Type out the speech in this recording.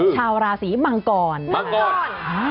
ชาวราศีมังกรมังกร